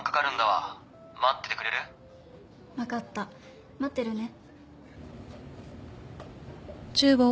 わかった待ってるね。